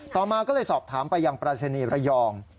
ต่อมาก็เลยสอบถามไปอย่างปราศนีรยอง